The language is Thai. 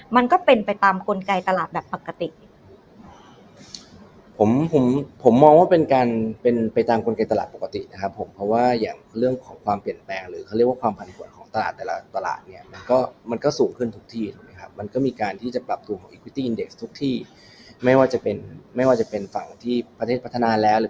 มันก็เป็นไปตามกลไกตลาดแบบปกติผมมองว่าเป็นการเป็นไปตามกลไกตลาดปกตินะครับผมเพราะว่าอย่างเรื่องของความเปลี่ยนแปลงหรือเขาเรียกว่าความผันผลของตลาดแต่ละตลาดเนี้ยมันก็มันก็สูงขึ้นทุกที่ถูกไหมครับมันก็มีการที่จะปรับถูกของทุกที่ไม่ว่าจะเป็นไม่ว่าจะเป็นฝั่งที่ประเทศพัฒนาแล้